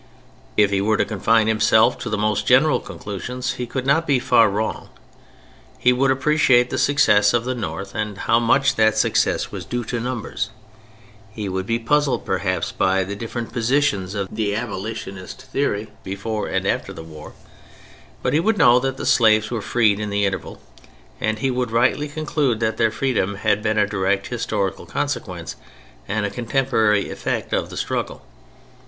If he were to confine himself to the most general conclusions he could not be far wrong. He would appreciate the success of the North and how much that success was due to numbers. He would be puzzled perhaps by the different positions of the abolitionist theory before and after the war; but he would know that the slaves were freed in the interval, and he would rightly conclude that their freedom had been a direct historical consequence and contemporary effect of the struggle.